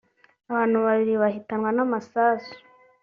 abantu abiri bahitanwa n’amasasu